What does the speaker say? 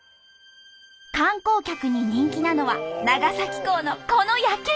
観光客に人気なのは長崎港のこの夜景！